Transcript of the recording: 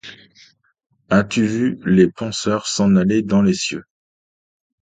As-tu vu les penseurs s’en aller dans les cieux ?